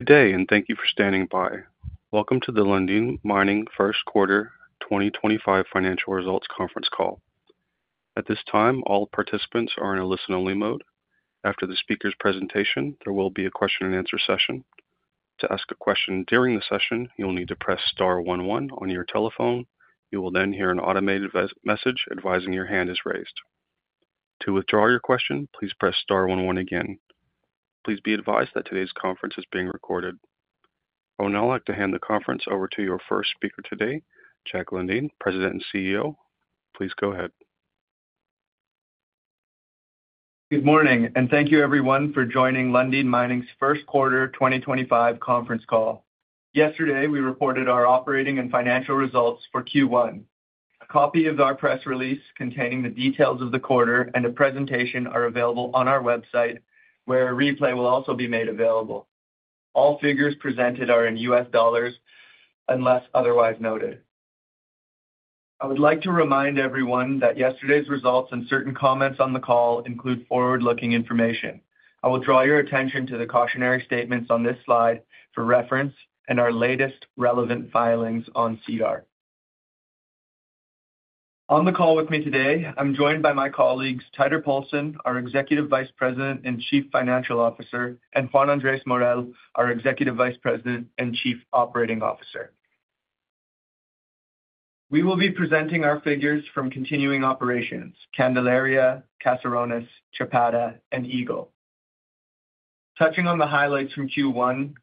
Good day, and thank you for standing by. Welcome to the Lundin Mining First Quarter 2025 Financial Results Conference call. At this time, all participants are in a listen-only mode. After the speaker's presentation, there will be a question-and-answer session. To ask a question during the session, to press star one one on your telephone. You will then hear an automated message advising youyou'll needr hand is raised. To withdraw your question, please press star one one again. Please be advised that today's conference is being recorded. I would now like to hand the conference over to your first speaker today, Jack O. Lundin, President and CEO. Please go ahead. Good morning, and thank you, everyone, for joining Lundin Mining's First Quarter 2025 Conference call. Yesterday, we reported our operating and financial results for Q1. A copy of our press release containing the details of the quarter and a presentation are available on our website, where a replay will also be made available. All figures presented are in U.S. dollars unless otherwise noted. I would like to remind everyone that yesterday's results and certain comments on the call include forward-looking information. I will draw your attention to the cautionary statements on this slide for reference and our latest relevant filings on [SEDAR]. On the call with me today, I'm joined by my colleagues, Teitur Poulsen, our Executive Vice President and Chief Financial Officer, and Juan Andrés Morel, our Executive Vice President and Chief Operating Officer. We will be presenting our figures from continuing operations: Candelaria, Caserones, Chapada, and Eagle. Touching on the highlights from Q1,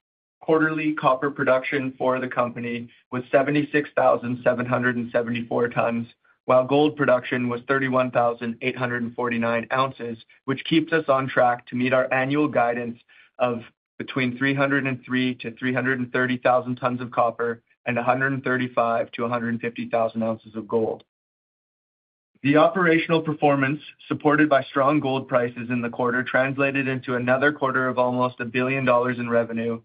quarterly copper production for the company was 76,774 tons, while gold production was 31,849 ounces, which keeps us on track to meet our annual guidance of between 303,000-330,000 tons of copper and 135,000-150,000 ounces of gold. The operational performance, supported by strong gold prices in the quarter, translated into another quarter of almost a billion dollars in revenue,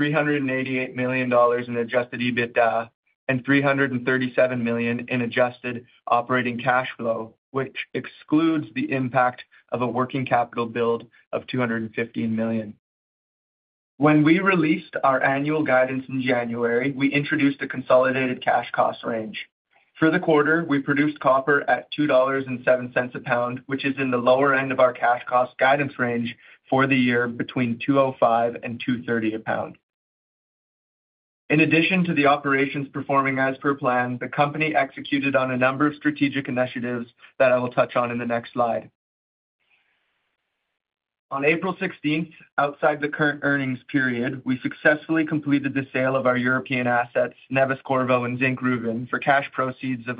$388 million in adjusted EBITDA, and $337 million in adjusted operating cash flow, which excludes the impact of a working capital build of $215 million. When we released our annual guidance in January, we introduced a consolidated cash cost range. For the quarter, we produced copper at $2.07 a pound, which is in the lower end of our cash cost guidance range for the year between $2.05-$2.30 a pound. In addition to the operations performing as per plan, the company executed on a number of strategic initiatives that I will touch on in the next slide. On April 16, outside the current earnings period, we successfully completed the sale of our European assets, Neves-Corvo and Zinkgruvan, for cash proceeds of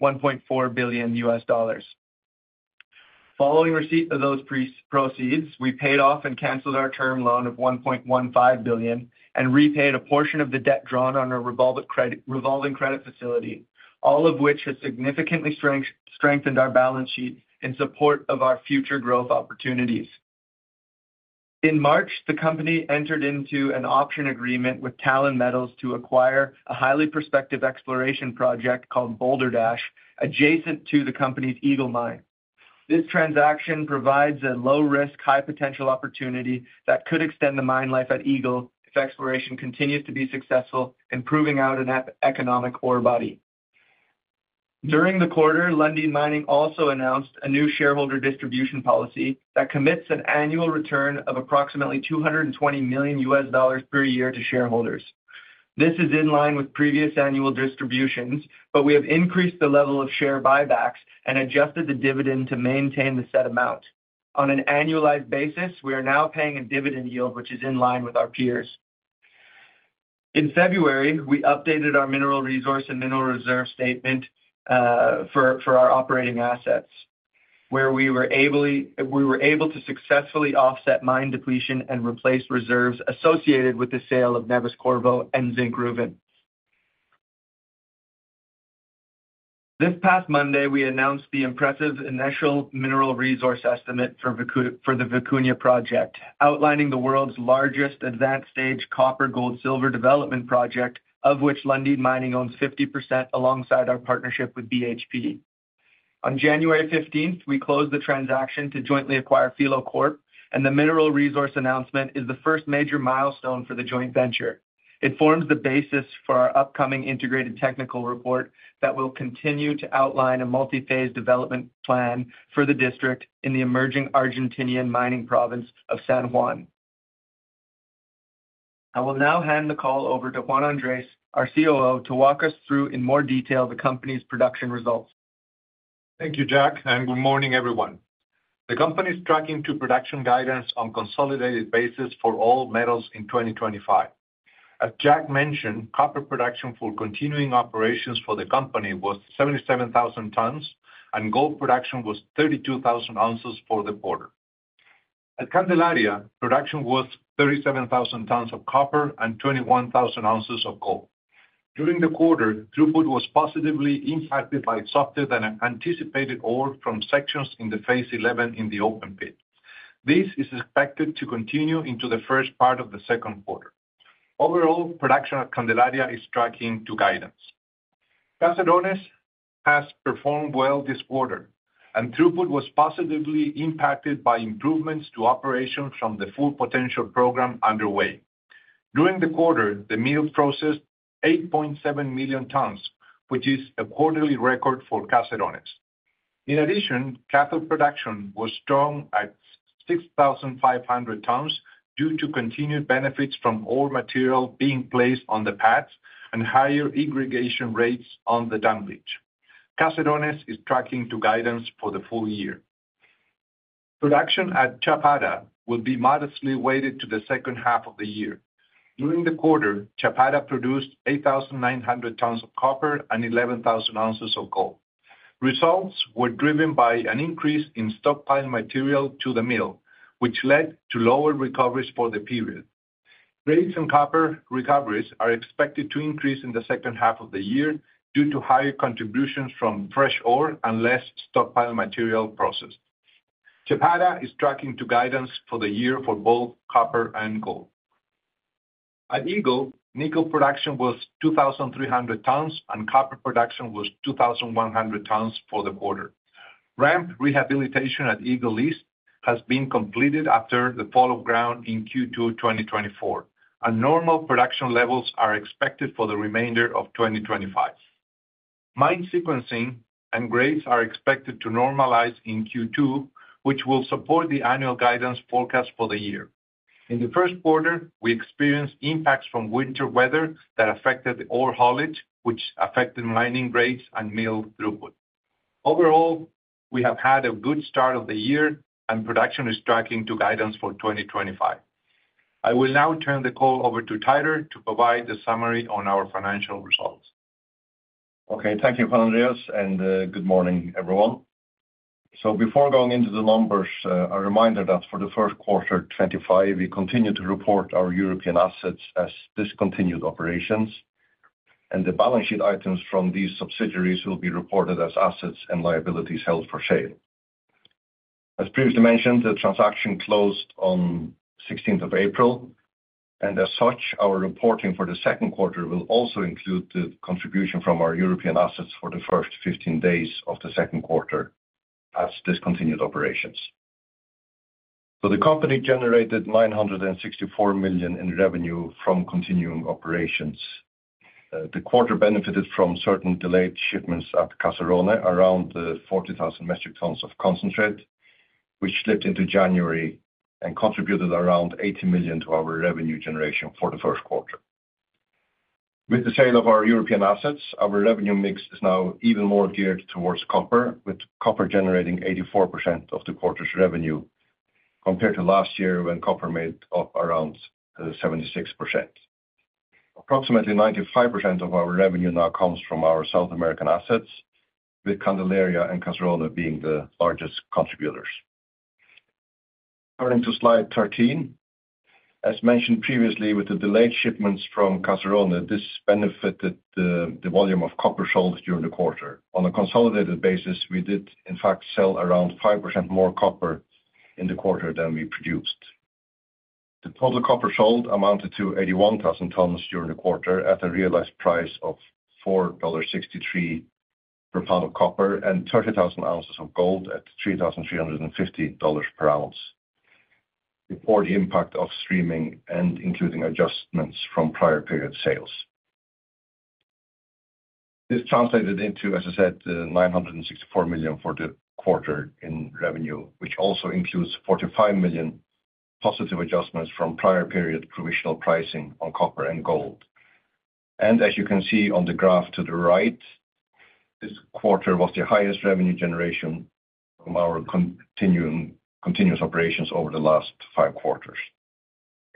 $1.4 billion. Following receipt of those proceeds, we paid off and canceled our term loan of $1.15 billion and repaid a portion of the debt drawn on our revolving credit facility, all of which has significantly strengthened our balance sheet in support of our future growth opportunities. In March, the company entered into an option agreement with Talon Metals to acquire a highly prospective exploration project called Boulder Dash, adjacent to the company's Eagle Mine. This transaction provides a low-risk, high-potential opportunity that could extend the mine life at Eagle if exploration continues to be successful, improving out an economic ore body. During the quarter, Lundin Mining also announced a new shareholder distribution policy that commits an annual return of approximately 220 million US dollars per year to shareholders. This is in line with previous annual distributions, but we have increased the level of share buybacks and adjusted the dividend to maintain the set amount. On an annualized basis, we are now paying a dividend yield which is in line with our peers. In February, we updated our mineral resource and mineral reserve statement for our operating assets, where we were able to successfully offset mine depletion and replace reserves associated with the sale of Neves-Corvo and Zinkgruvan. This past Monday, we announced the impressive initial mineral resource estimate for the Vicuña project, outlining the world's largest advanced-stage copper-gold-silver development project, of which Lundin Mining owns 50% alongside our partnership with BHP. On January 15, we closed the transaction to jointly acquire Filo Corp, and the mineral resource announcement is the first major milestone for the joint venture. It forms the basis for our upcoming integrated technical report that will continue to outline a multi-phase development plan for the district in the emerging Argentinian mining province of San Juan. I will now hand the call over to Juan Andrés, our COO, to walk us through in more detail the company's production results. Thank you, Jack, and good morning, everyone. The company is tracking to production guidance on a consolidated basis for all metals in 2025. As Jack mentioned, copper production for continuing operations for the company was 77,000 tons, and gold production was 32,000 ounces for the quarter. At Candelaria, production was 37,000 tons of copper and 21,000 ounces of gold. During the quarter, throughput was positively impacted by softer than anticipated ore from sections in phase 11 in the open pit. This is expected to continue into the first part of the second quarter. Overall, production at Candelaria is tracking to guidance. Caserones has performed well this quarter, and throughput was positively impacted by improvements to operations from the full potential program underway. During the quarter, the mill processed 8.7 million tons, which is a quarterly record for Caserones. In addition, cattle production was strong at 6,500 tons due to continued benefits from ore material being placed on the pads and higher irrigation rates on the damage. Caserones is tracking to guidance for the full year. Production at Chapada will be modestly weighted to the second half of the year. During the quarter, Chapada produced 8,900 tons of copper and 11,000 ounces of gold. Results were driven by an increase in stockpile material to the mill, which led to lower recoveries for the period. Grapes and copper recoveries are expected to increase in the second half of the year due to higher contributions from fresh ore and less stockpile material processed. Chapada is tracking to guidance for the year for both copper and gold. At Eagle, nickel production was 2,300 tons, and copper production was 2,100 tons for the quarter. Ramp rehabilitation at Eagle East has been completed after the fall of ground in Q2 2024, and normal production levels are expected for the remainder of 2025. Mine sequencing and grades are expected to normalize in Q2, which will support the annual guidance forecast for the year. In the first quarter, we experienced impacts from winter weather that affected ore haulage, which affected mining grades and mill throughput. Overall, we have had a good start of the year, and production is tracking to guidance for 2025. I will now turn the call over to Teitur to provide the summary on our financial results. Okay, thank you, Juan Andrés, and good morning, everyone. Before going into the numbers, a reminder that for the first quarter 2025, we continue to report our European assets as discontinued operations, and the balance sheet items from these subsidiaries will be reported as assets and liabilities held for sale. As previously mentioned, the transaction closed on the 16th of April, and as such, our reporting for the second quarter will also include the contribution from our European assets for the first 15 days of the second quarter as discontinued operations. The company generated $964 million in revenue from continuing operations. The quarter benefited from certain delayed shipments at Caserones, around 40,000 metric tons of concentrate, which slipped into January and contributed around $80 million to our revenue generation for the first quarter. With the sale of our European assets, our revenue mix is now even more geared towards copper, with copper generating 84% of the quarter's revenue compared to last year when copper made up around 76%. Approximately 95% of our revenue now comes from our South American assets, with Candelaria and Caserones being the largest contributors. Turning to slide 13, as mentioned previously, with the delayed shipments from Caserones, this benefited the volume of copper sold during the quarter. On a consolidated basis, we did, in fact, sell around 5% more copper in the quarter than we produced. The total copper sold amounted to 81,000 tons during the quarter at a realized price of $4.63 per pound of copper and 30,000 ounces of gold at $3,350 per ounce, before the impact of streaming and including adjustments from prior period sales. This translated into, as I said, $964 million for the quarter in revenue, which also includes $45 million positive adjustments from prior period provisional pricing on copper and gold. As you can see on the graph to the right, this quarter was the highest revenue generation from our continuous operations over the last five quarters.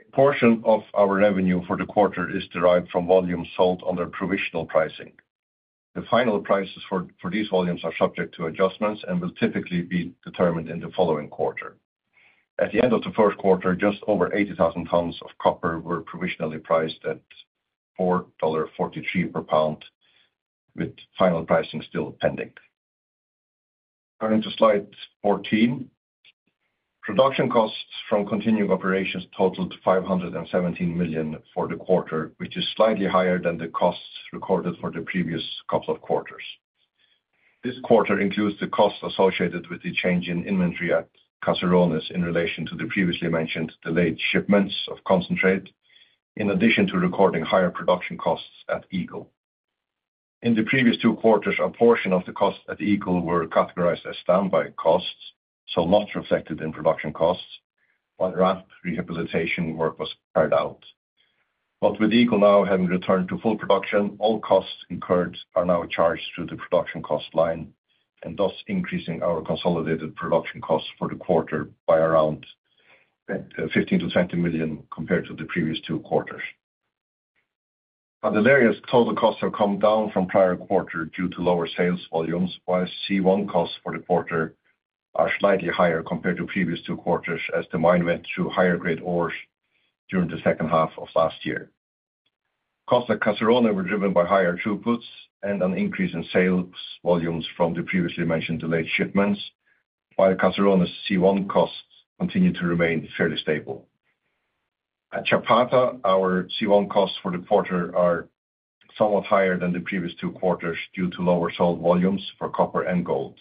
A portion of our revenue for the quarter is derived from volumes sold under provisional pricing. The final prices for these volumes are subject to adjustments and will typically be determined in the following quarter. At the end of the first quarter, just over 80,000 tons of copper were provisionally priced at $4.43 per pound, with final pricing still pending. Turning to slide 14, production costs from continuing operations totaled $517 million for the quarter, which is slightly higher than the costs recorded for the previous couple of quarters. This quarter includes the costs associated with the change in inventory at Caserones in relation to the previously mentioned delayed shipments of concentrate, in addition to recording higher production costs at Eagle. In the previous two quarters, a portion of the costs at Eagle were categorized as standby costs, so not reflected in production costs, but ramp rehabilitation work was carried out. With Eagle now having returned to full production, all costs incurred are now charged through the production cost line and thus increasing our consolidated production costs for the quarter by around $15 million-$20 million compared to the previous two quarters. Candelaria's total costs have come down from prior quarter due to lower sales volumes, while C1 costs for the quarter are slightly higher compared to previous two quarters as the mine went to higher-grade ores during the second half of last year. Costs at Caserones were driven by higher throughputs and an increase in sales volumes from the previously mentioned delayed shipments, while Caserones' C1 costs continue to remain fairly stable. At Chapada, our C1 costs for the quarter are somewhat higher than the previous two quarters due to lower sold volumes for copper and gold.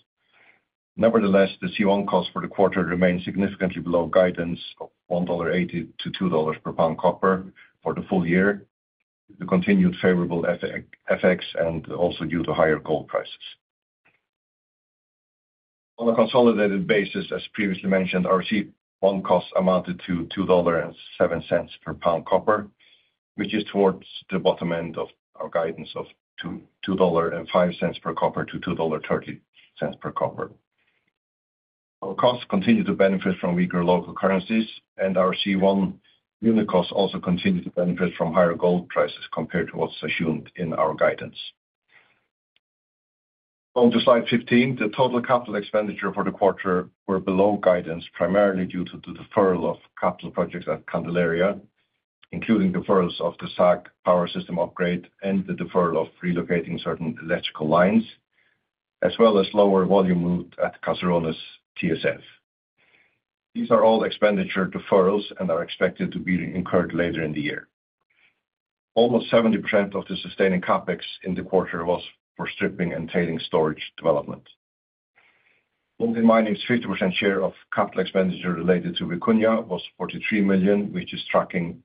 Nevertheless, the C1 costs for the quarter remain significantly below guidance of $1.80-$2 per pound copper for the full year due to continued favorable effects and also due to higher gold prices. On a consolidated basis, as previously mentioned, our C1 costs amounted to $2.07 per pound copper, which is towards the bottom end of our guidance of $2.05-$2.30 per pound copper. Our costs continue to benefit from weaker local currencies, and our C1 unit costs also continue to benefit from higher gold prices compared to what's assumed in our guidance. Onto slide 15, the total capital expenditure for the quarter was below guidance primarily due to the deferral of capital projects at Candelaria, including deferrals of the SAG power system upgrade and the deferral of relocating certain electrical lines, as well as lower volume moved at Caserones' TSF. These are all expenditure deferrals and are expected to be incurred later in the year. Almost 70% of the sustaining CapEx in the quarter was for stripping and tailings storage development. Lundin Mining's 50% share of capital expenditure related to Vicuña was 43 million, which is tracking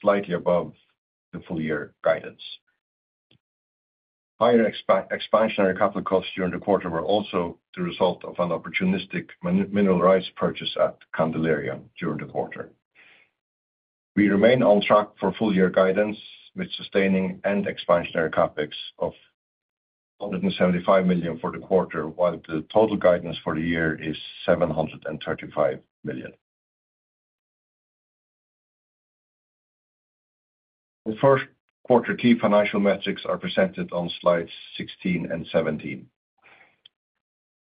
slightly above the full-year guidance. Higher expansionary capital costs during the quarter were also the result of an opportunistic mineral rights purchase at Candelaria during the quarter. We remain on track for full-year guidance with sustaining and expansionary CapEx of $175 million for the quarter, while the total guidance for the year is $735 million. The first quarter key financial metrics are presented on slides 16 and 17.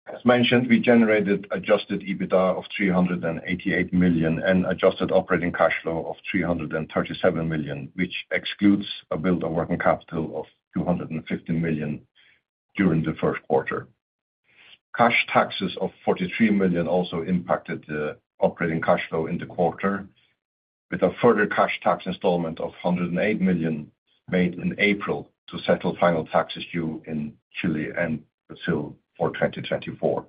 As mentioned, we generated adjusted EBITDA of $388 million and adjusted operating cash flow of $337 million, which excludes a build-up working capital of $250 million during the first quarter. Cash taxes of $43 million also impacted the operating cash flow in the quarter, with a further cash tax installment of $108 million made in April to settle final taxes due in Chile and Brazil for 2024.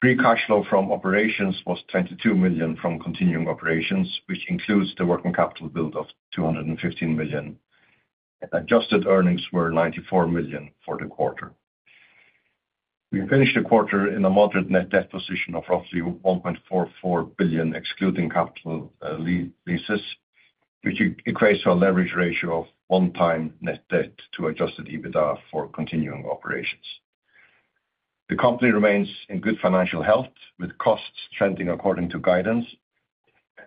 Free cash flow from operations was $22 million from continuing operations, which includes the working capital build of $215 million. Adjusted earnings were $94 million for the quarter. We finished the quarter in a moderate net debt position of roughly $1.44 billion, excluding capital leases, which equates to a leverage ratio of one-time net debt to adjusted EBITDA for continuing operations. The company remains in good financial health, with costs trending according to guidance,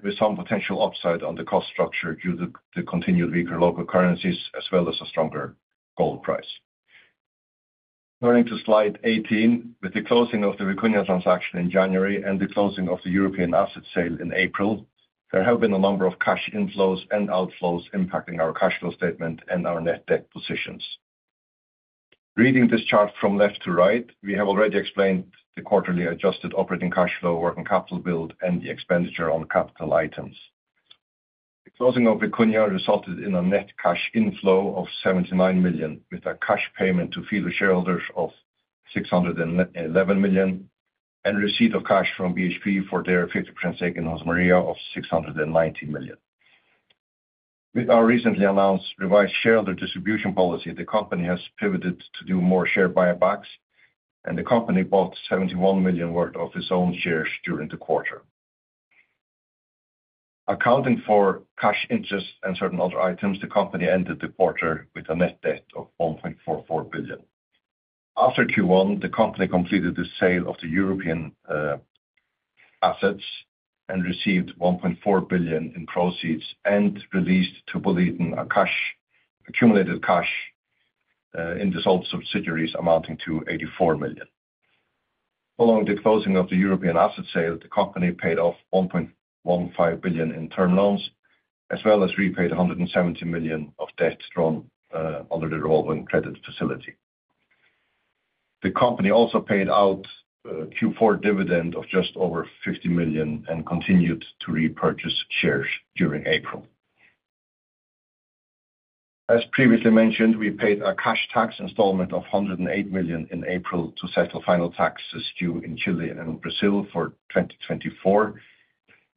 with some potential upside on the cost structure due to the continued weaker local currencies, as well as a stronger gold price. Turning to slide 18, with the closing of the Vicuña transaction in January and the closing of the European asset sale in April, there have been a number of cash inflows and outflows impacting our cash flow statement and our net debt positions. Reading this chart from left to right, we have already explained the quarterly adjusted operating cash flow, working capital build, and the expenditure on capital items. The closing of Vicuña resulted in a net cash inflow of $79 million, with a cash payment to Filo Corp shareholders of $611 million and receipt of cash from BHP for their 50% stake in Josemaría of $690 million. With our recently announced revised shareholder distribution policy, the company has pivoted to do more share buybacks, and the company bought $71 million worth of its own shares during the quarter. Accounting for cash interest and certain other items, the company ended the quarter with a net debt of $1.44 billion. After Q1, the company completed the sale of the European assets and received $1.4 billion in proceeds and released to Boliden accumulated cash in the sold subsidiaries amounting to $84 million. Following the closing of the European asset sale, the company paid off $1.15 billion in term loans, as well as repaid $170 million of debt drawn under the Revolving Credit Facility. The company also paid out Q4 dividend of just over $50 million and continued to repurchase shares during April. As previously mentioned, we paid a cash tax installment of $108 million in April to settle final taxes due in Chile and Brazil for 2024,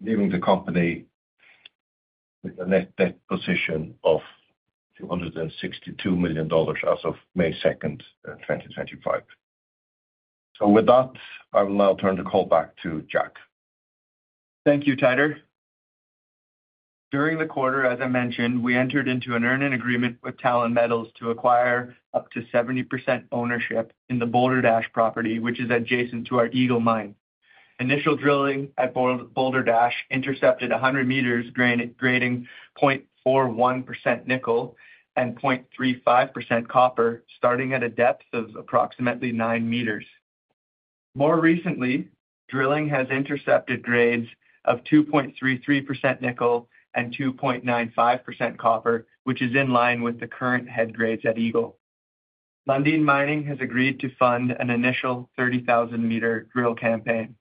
leaving the company with a net debt position of $262 million as of May 2, 2025. With that, I will now turn the call back to Jack. Thank you, Teitur. During the quarter, as I mentioned, we entered into an earning agreement with Talon Metals to acquire up to 70% ownership in the Boulder Dash property, which is adjacent to our Eagle Mine. Initial drilling at Boulder Dash intercepted 100 meters grading 0.41% nickel and 0.35% copper, starting at a depth of approximately 9 meters. More recently, drilling has intercepted grades of 2.33% nickel and 2.95% copper, which is in line with the current head grades at Eagle. Lundin Mining has agreed to fund an initial 30,000-meter drill campaign.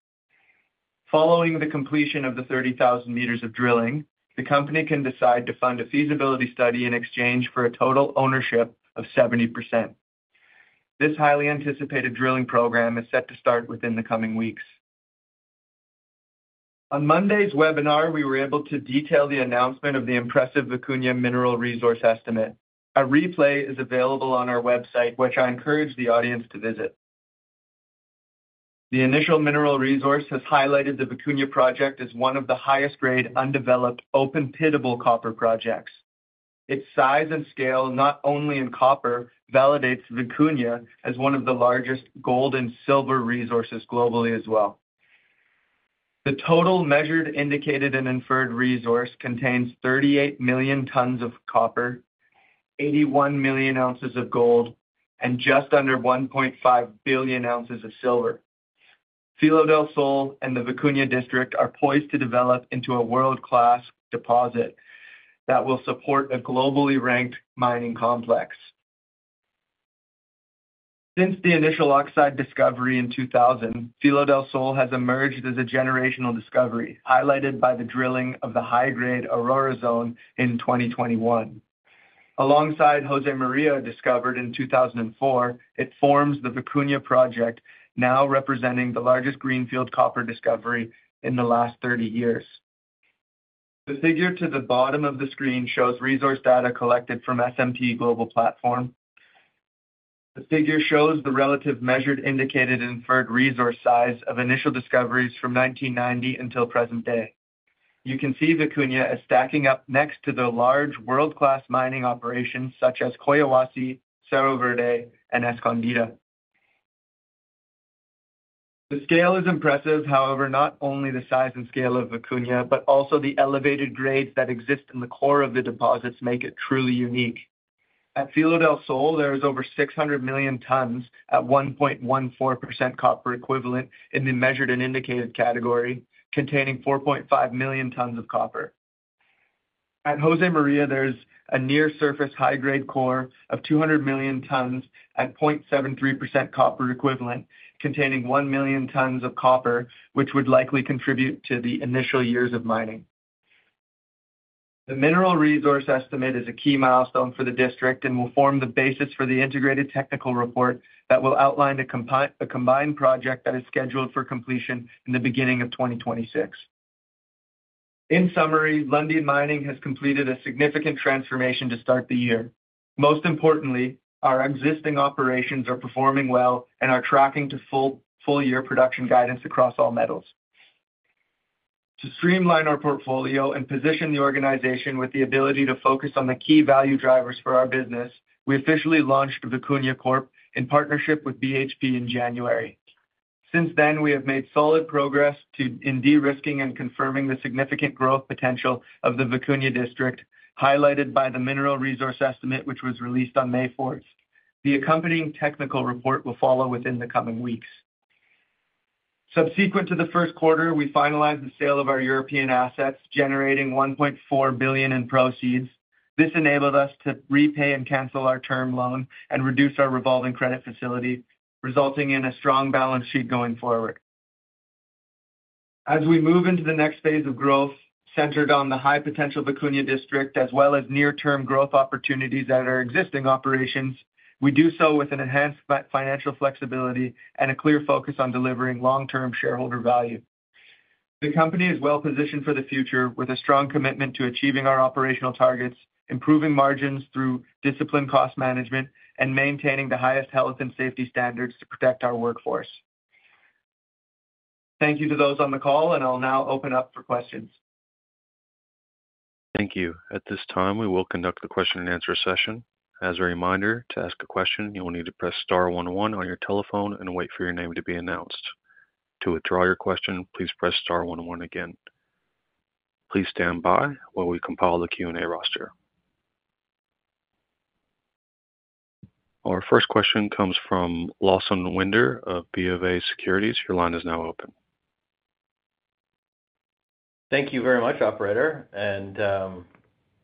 Following the completion of the 30,000 meters of drilling, the company can decide to fund a feasibility study in exchange for a total ownership of 70%. This highly anticipated drilling program is set to start within the coming weeks. On Monday's webinar, we were able to detail the announcement of the impressive Vicuña mineral resource estimate. A replay is available on our website, which I encourage the audience to visit. The initial mineral resource has highlighted the Vicuña project as one of the highest-grade undeveloped open pittable copper projects. Its size and scale, not only in copper, validates Vicuña as one of the largest gold and silver resources globally as well. The total measured, indicated, and inferred resource contains 38 million tons of copper, 81 million ounces of gold, and just under 1.5 billion ounces of silver. Filo del Sol and the Vicuña district are poised to develop into a world-class deposit that will support a globally ranked mining complex. Since the initial oxide discovery in 2000, Filo del Sol has emerged as a generational discovery, highlighted by the drilling of the high-grade Aurora Zone in 2021. Alongside Josemaría discovered in 2004, it forms the Vicuña project, now representing the largest greenfield copper discovery in the last 30 years. The figure to the bottom of the screen shows resource data collected from S&P Global Platform. The figure shows the relative measured, indicated, and inferred resource size of initial discoveries from 1990 until present day. You can see Vicuña as stacking up next to the large world-class mining operations such as Collahuasi, Cerro Verde, and Escondida. The scale is impressive. However, not only the size and scale of Vicuña, but also the elevated grades that exist in the core of the deposits make it truly unique. At Filo del Sol, there is over 600 million tons at 1.14% copper equivalent in the measured and indicated category, containing 4.5 million tons of copper. At Josemaría, there is a near-surface high-grade core of 200 million tons at 0.73% copper equivalent, containing 1 million tons of copper, which would likely contribute to the initial years of mining. The mineral resource estimate is a key milestone for the district and will form the basis for the integrated technical report that will outline a combined project that is scheduled for completion in the beginning of 2026. In summary, Lundin Mining has completed a significant transformation to start the year. Most importantly, our existing operations are performing well and are tracking to full-year production guidance across all metals. To streamline our portfolio and position the organization with the ability to focus on the key value drivers for our business, we officially launched Vicuña in partnership with BHP in January. Since then, we have made solid progress in de-risking and confirming the significant growth potential of the Vicuña district, highlighted by the mineral resource estimate, which was released on May 4. The accompanying technical report will follow within the coming weeks. Subsequent to the first quarter, we finalized the sale of our European assets, generating $1.4 billion in proceeds. This enabled us to repay and cancel our term loan and reduce our revolving credit facility, resulting in a strong balance sheet going forward. As we move into the next phase of growth, centered on the high-potential Vicuña district as well as near-term growth opportunities at our existing operations, we do so with enhanced financial flexibility and a clear focus on delivering long-term shareholder value. The company is well-positioned for the future with a strong commitment to achieving our operational targets, improving margins through disciplined cost management, and maintaining the highest health and safety standards to protect our workforce. Thank you to those on the call, and I'll now open up for questions. Thank you. At this time, we will conduct the question-and-answer session. As a reminder, to ask a question, you will need to press star one one on your telephone and wait for your name to be announced. To withdraw your question, please press star one one again. Please stand by while we compile the Q&A roster. Our first question comes from Lawson Winder of BofA Securities. Your line is now open. Thank you very much, Operator.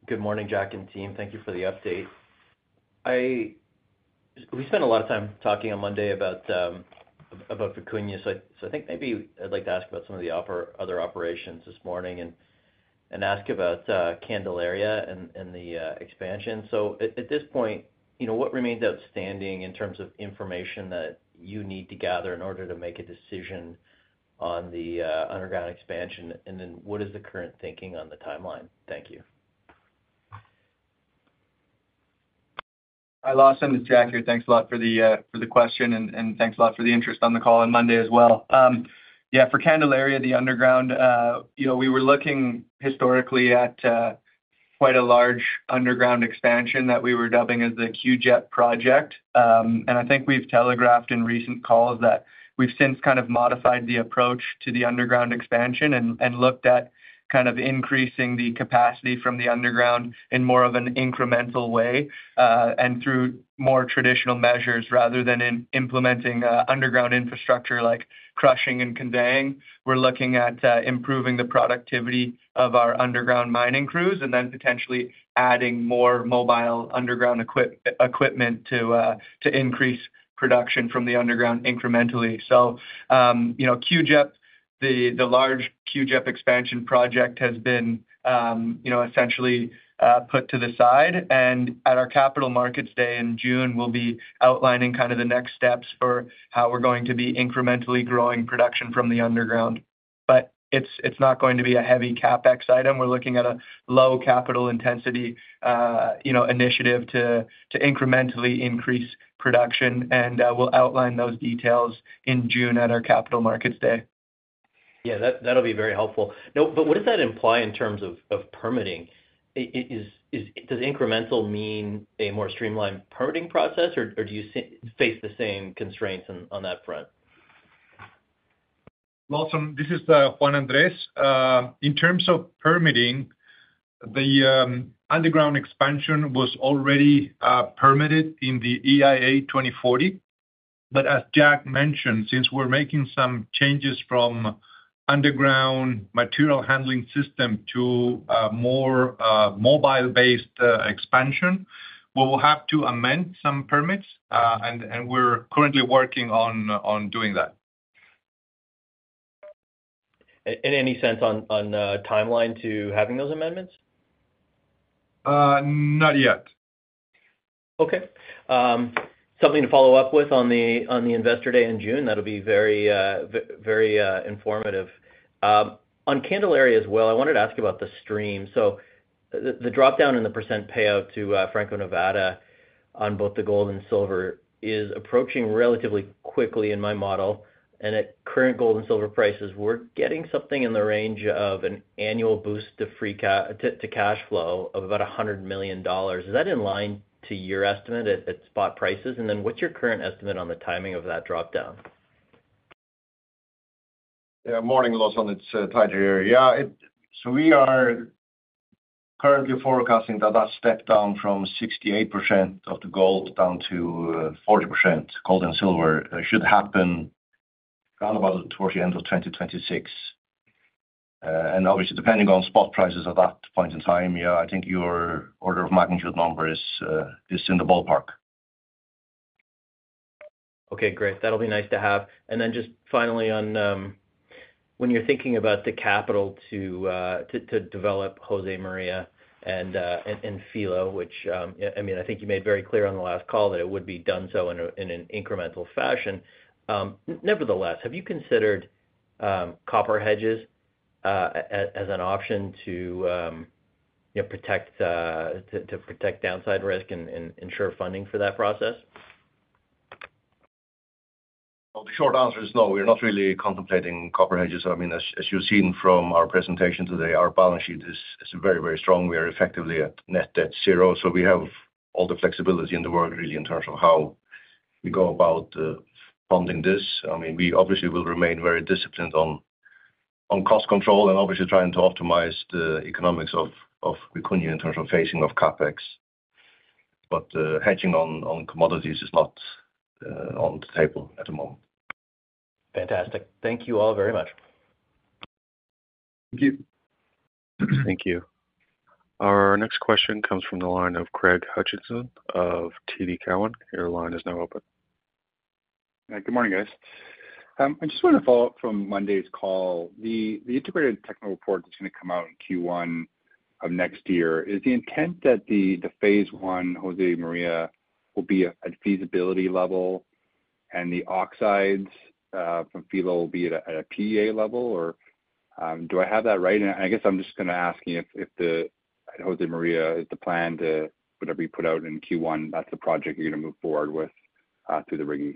Good morning, Jack and team. Thank you for the update. We spent a lot of time talking on Monday about Vicuña, so I think maybe I'd like to ask about some of the other operations this morning and ask about Candelaria and the expansion. At this point, what remains outstanding in terms of information that you need to gather in order to make a decision on the underground expansion, and what is the current thinking on the timeline? Thank you. Hi, Lawson. It's Jack here. Thanks a lot for the question, and thanks a lot for the interest on the call on Monday as well. Yeah, for Candelaria, the underground, we were looking historically at quite a large underground expansion that we were dubbing as the QJEG project. I think we've telegraphed in recent calls that we've since kind of modified the approach to the underground expansion and looked at kind of increasing the capacity from the underground in more of an incremental way and through more traditional measures rather than implementing underground infrastructure like crushing and conveying. We're looking at improving the productivity of our underground mining crews and then potentially adding more mobile underground equipment to increase production from the underground incrementally. QJEP, the large QJEP expansion project, has been essentially put to the side. At our capital markets day in June, we'll be outlining kind of the next steps for how we're going to be incrementally growing production from the underground. It is not going to be a heavy CapEx item. We're looking at a low capital intensity initiative to incrementally increase production, and we'll outline those details in June at our capital markets day. Yeah, that'll be very helpful. What does that imply in terms of permitting? Does incremental mean a more streamlined permitting process, or do you face the same constraints on that front? Lawson, this is Juan Andrés. In terms of permitting, the underground expansion was already permitted in the EIA 2040. As Jack mentioned, since we're making some changes from underground material handling system to more mobile-based expansion, we will have to amend some permits, and we're currently working on doing that. Any sense on timeline to having those amendments? Not yet. Okay. Something to follow up with on the investor day in June, that'll be very informative. On Candelaria as well, I wanted to ask about the stream. The dropdown in the percent payout to Franco-Nevada on both the gold and silver is approaching relatively quickly in my model. At current gold and silver prices, we're getting something in the range of an annual boost to cash flow of about $100 million. Is that in line to your estimate at spot prices? What's your current estimate on the timing of that dropdown? Yeah, morning, Lawson. It's Teitur here. Yeah, so we are currently forecasting that that step down from 68% of the gold down to 40% gold and silver should happen around about towards the end of 2026. Obviously, depending on spot prices at that point in time, yeah, I think your order of magnitude number is in the ballpark. Okay, great. That'll be nice to have. And then just finally, when you're thinking about the capital to develop Josemaría and Filo, which I mean, I think you made very clear on the last call that it would be done so in an incremental fashion. Nevertheless, have you considered copper hedges as an option to protect downside risk and ensure funding for that process? The short answer is no. We're not really contemplating copper hedges. I mean, as you've seen from our presentation today, our balance sheet is very, very strong. We are effectively at net debt zero. We have all the flexibility in the world, really, in terms of how we go about funding this. I mean, we obviously will remain very disciplined on cost control and obviously trying to optimize the economics of Vicuña in terms of phasing of CapEx. Hedging on commodities is not on the table at the moment. Fantastic. Thank you all very much. Thank you. Thank you. Our next question comes from the line of Craig Hutchinson of TD Cowen. Your line is now open. Good morning, guys. I just want to follow up from Monday's call. The integrated technical report that's going to come out in Q1 of next year, is the intent that the phase one Josemaría will be at feasibility level and the oxides from Filo will be at a PEA level? Or do I have that right? I guess I'm just going to ask you if Josemaría is the plan to whatever you put out in Q1, that's the project you're going to move forward with through the RIGI.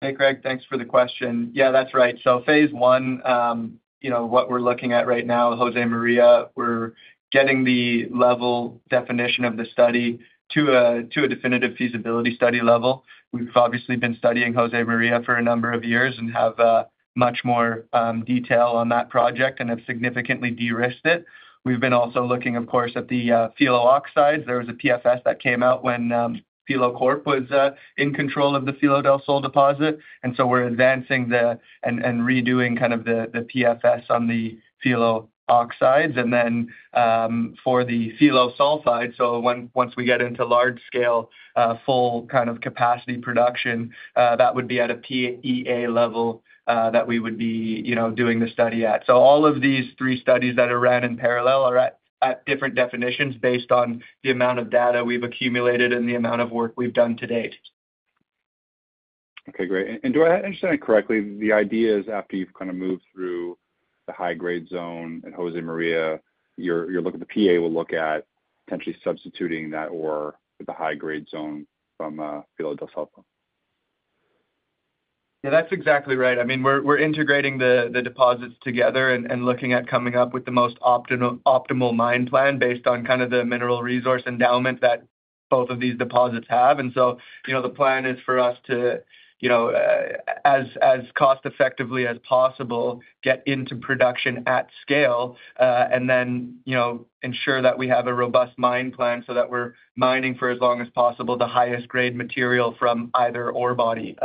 Hey, Craig, thanks for the question. Yeah, that's right. Phase one, what we're looking at right now, Josemaría, we're getting the level definition of the study to a definitive feasibility study level. We've obviously been studying Josemaría for a number of years and have much more detail on that project and have significantly de-risked it. We've been also looking, of course, at the Filo oxides. There was a PFS that came out when Filo Corp was in control of the Filo del Sol deposit. We're advancing and redoing kind of the PFS on the Filo oxides. For the Filo sulfide, once we get into large-scale full kind of capacity production, that would be at a PEA level that we would be doing the study at. All of these three studies that are ran in parallel are at different definitions based on the amount of data we've accumulated and the amount of work we've done to date. Okay, great. Do I understand correctly the idea is after you've kind of moved through the high-grade zone in Josemaría, your PEA will look at potentially substituting that or the high-grade zone from Filo del Sol? Yeah, that's exactly right. I mean, we're integrating the deposits together and looking at coming up with the most optimal mine plan based on kind of the mineral resource endowment that both of these deposits have. The plan is for us to, as cost-effectively as possible, get into production at scale and then ensure that we have a robust mine plan so that we're mining for as long as possible the highest-grade material from either ore body.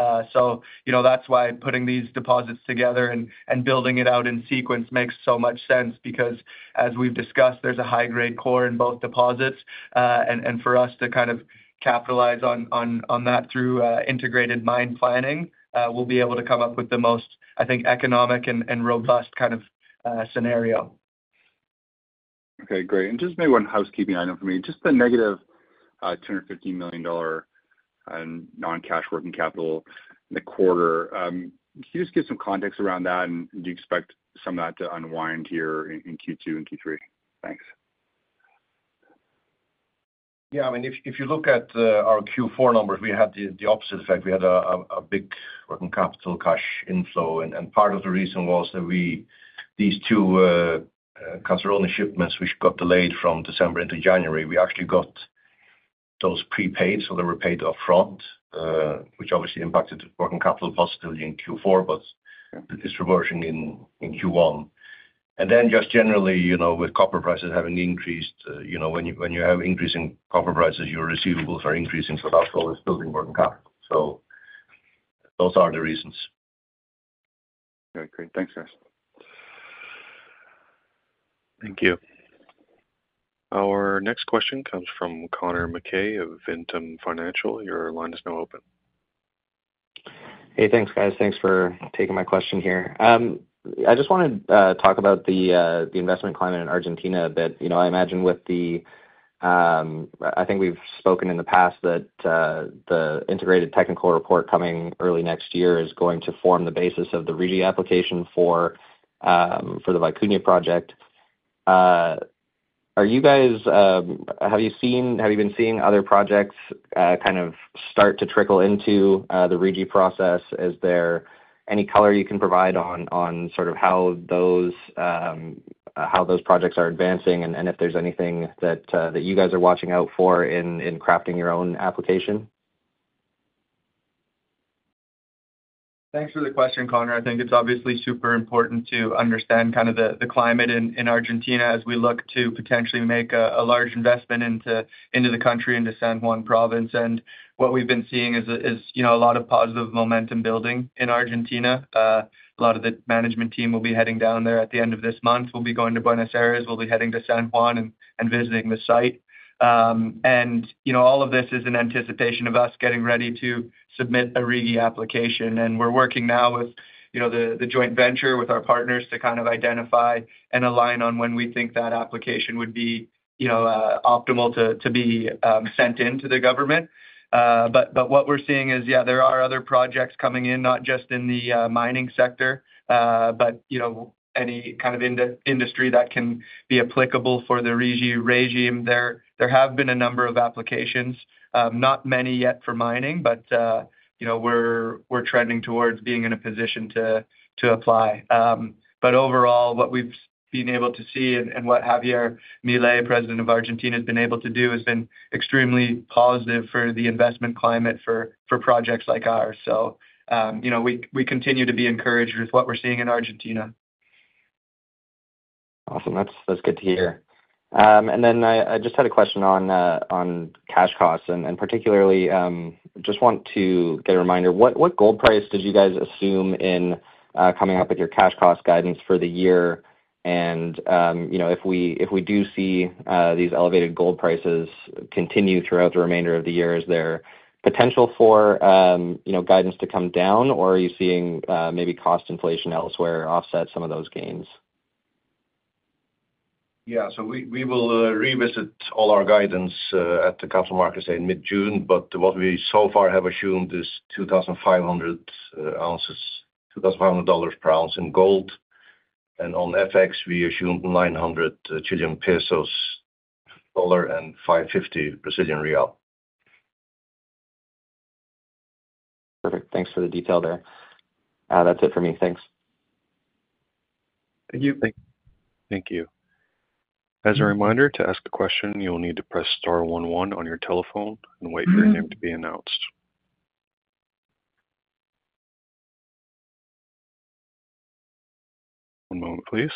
That's why putting these deposits together and building it out in sequence makes so much sense because, as we've discussed, there's a high-grade core in both deposits. For us to kind of capitalize on that through integrated mine planning, we'll be able to come up with the most, I think, economic and robust kind of scenario. Okay, great. Just maybe one housekeeping item for me. Just the negative $250 million non-cash working capital in the quarter, can you just give some context around that, and do you expect some of that to unwind here in Q2 and Q3? Thanks. Yeah, I mean, if you look at our Q4 numbers, we had the opposite effect. We had a big working capital cash inflow. Part of the reason was that these two Candelaria-only shipments, which got delayed from December into January, we actually got those prepaid. They were paid upfront, which obviously impacted working capital positively in Q4, but it is reversing in Q1. Just generally, with copper prices having increased, when you have increasing copper prices, your receivables are increasing, so that is always building working capital. Those are the reasons. Okay, great. Thanks, guys. Thank you. Our next question comes from Connor Mackay of Ventum Financial. Your line is now open. Hey, thanks, guys. Thanks for taking my question here. I just want to talk about the investment climate in Argentina that I imagine with the, I think we've spoken in the past that the integrated technical report coming early next year is going to form the basis of the RIGI application for the Vicuña project. Have you been seeing other projects kind of start to trickle into the RIGI process? Is there any color you can provide on sort of how those projects are advancing and if there's anything that you guys are watching out for in crafting your own application? Thanks for the question, Connor. I think it's obviously super important to understand kind of the climate in Argentina as we look to potentially make a large investment into the country and to San Juan Province. What we've been seeing is a lot of positive momentum building in Argentina. A lot of the management team will be heading down there at the end of this month. We'll be going to Buenos Aires. We'll be heading to San Juan and visiting the site. All of this is in anticipation of us getting ready to submit a RIGI application. We're working now with the joint venture, with our partners, to kind of identify and align on when we think that application would be optimal to be sent into the government. What we're seeing is, yeah, there are other projects coming in, not just in the mining sector, but any kind of industry that can be applicable for the RIGI regime. There have been a number of applications, not many yet for mining, but we're trending towards being in a position to apply. Overall, what we've been able to see and what Javier Milei, President of Argentina, has been able to do has been extremely positive for the investment climate for projects like ours. We continue to be encouraged with what we're seeing in Argentina. Awesome. That's good to hear. I just had a question on cash costs. Particularly, just want to get a reminder. What gold price did you guys assume in coming up with your cash cost guidance for the year? If we do see these elevated gold prices continue throughout the remainder of the year, is there potential for guidance to come down, or are you seeing maybe cost inflation elsewhere offset some of those gains? Yeah, so we will revisit all our guidance at the capital markets day in mid-June. What we so far have assumed is 2,500 ounces, $2,500 per ounce in gold. On FX, we assumed 900 per dollar and 550 Brazilian real Perfect. Thanks for the detail there. That's it for me. Thanks. Thank you. Thank you. As a reminder, to ask a question, you'll need to press star 11 on your telephone and wait for your name to be announced. One moment, please.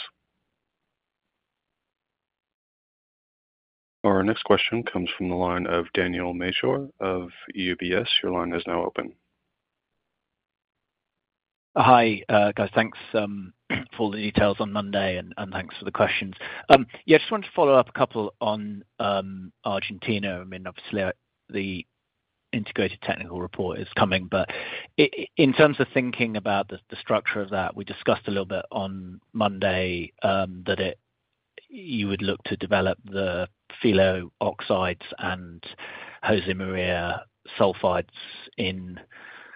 Our next question comes from the line of Daniel Major of UBS. Your line is now open. Hi, guys. Thanks for the details on Monday, and thanks for the questions. Yeah, I just wanted to follow up a couple on Argentina. I mean, obviously, the integrated technical report is coming. In terms of thinking about the structure of that, we discussed a little bit on Monday that you would look to develop the Filo oxides and Josemaría sulfides in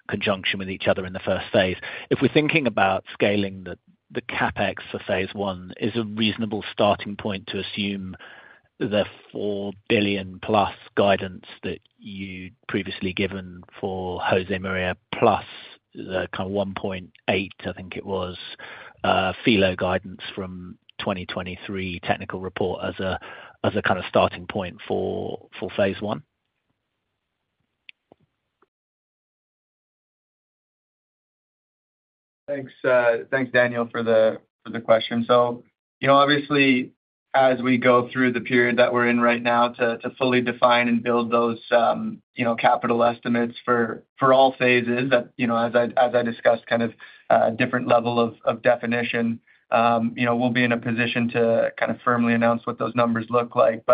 conjunction with each other in the first phase. If we're thinking about scaling the CapEx for phase one, is a reasonable starting point to assume the $4 billion-plus guidance that you'd previously given for Josemaría plus the kind of $1.8 billion, I think it was, Filo guidance from 2023 technical report as a kind of starting point for phase one? Thanks, Daniel, for the question. Obviously, as we go through the period that we're in right now to fully define and build those capital estimates for all phases, as I discussed, kind of different level of definition, we'll be in a position to kind of firmly announce what those numbers look like.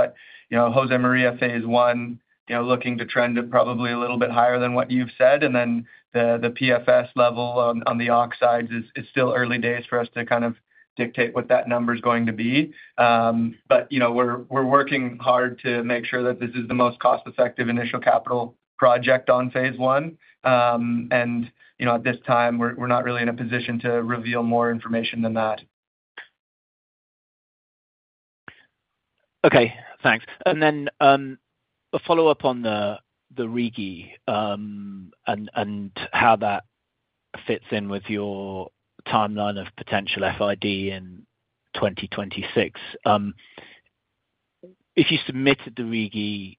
Josemaría phase one, looking to trend at probably a little bit higher than what you've said. The PFS level on the oxides is still early days for us to kind of dictate what that number is going to be. We're working hard to make sure that this is the most cost-effective initial capital project on phase one. At this time, we're not really in a position to reveal more information than that. Okay, thanks. Then a follow-up on the RIGI and how that fits in with your timeline of potential FID in 2026. If you submitted the RIGI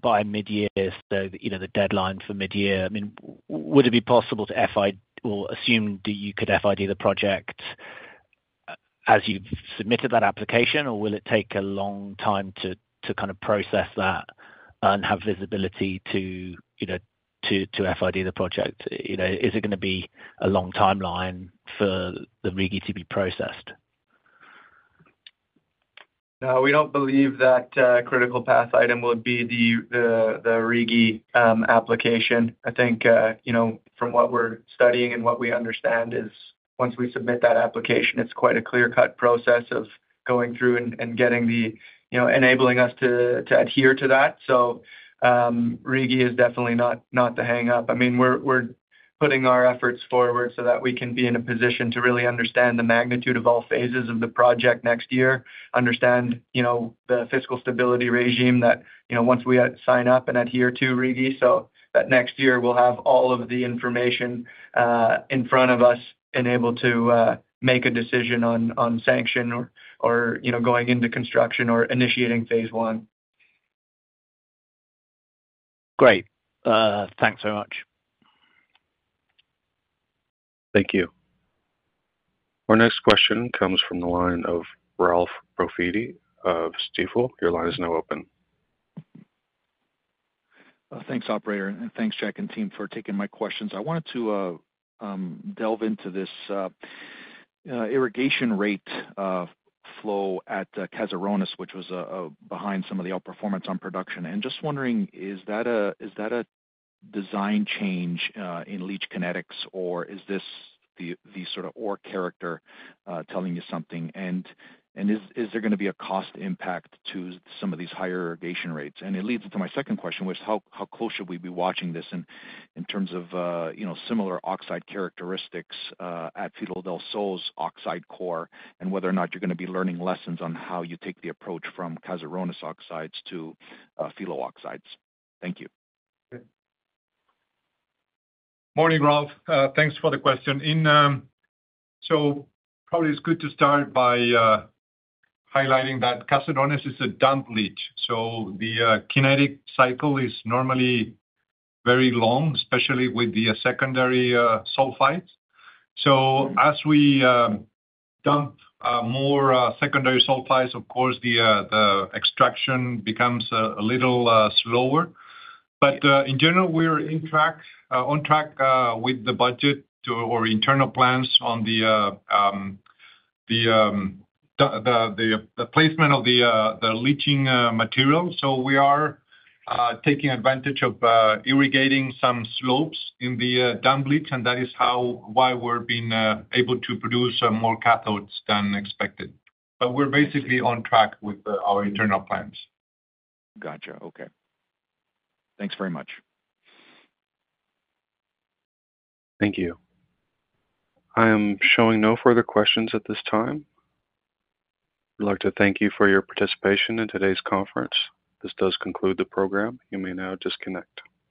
by mid-year, so the deadline for mid-year, I mean, would it be possible to assume that you could FID the project as you've submitted that application, or will it take a long time to kind of process that and have visibility to FID the project? Is it going to be a long timeline for the RIGI to be processed? No, we don't believe that critical path item will be the RIGI application. I think from what we're studying and what we understand is once we submit that application, it's quite a clear-cut process of going through and getting the enabling us to adhere to that. RIGI is definitely not the hang-up. I mean, we're putting our efforts forward so that we can be in a position to really understand the magnitude of all phases of the project next year, understand the fiscal stability regime that once we sign up and adhere to RIGI. That next year, we'll have all of the information in front of us and able to make a decision on sanction or going into construction or initiating phase one. Great. Thanks very much. Thank you. Our next question comes from the line of Ralph Profiti of Stifel. Your line is now open. Thanks, operator, and thanks, Jack and team, for taking my questions. I wanted to delve into this irrigation rate flow at Caserones, which was behind some of the outperformance on production. Just wondering, is that a design change in leach kinetics, or is this the sort of ore character telling you something? Is there going to be a cost impact to some of these higher irrigation rates? It leads into my second question, which is how close should we be watching this in terms of similar oxide characteristics at Filo del Sol's oxide core and whether or not you're going to be learning lessons on how you take the approach from Caserones oxides to Filo oxides? Thank you. Morning, Ralph. Thanks for the question. Probably it's good to start by highlighting that Caserones is a dump leach. The kinetic cycle is normally very long, especially with the secondary sulfides. As we dump more secondary sulfides, of course, the extraction becomes a little slower. In general, we're on track with the budget or internal plans on the placement of the leaching material. We are taking advantage of irrigating some slopes in the dump leach. That is why we're being able to produce more cathodes than expected. We're basically on track with our internal plans. Gotcha. Okay. Thanks very much. Thank you. I am showing no further questions at this time. We'd like to thank you for your participation in today's conference. This does conclude the program. You may now disconnect.